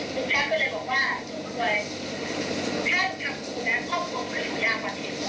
คุณชาติก็เลยบอกว่าถ้าคุณชัดกูแล้วครอบครัวคุณก็ยากกว่าที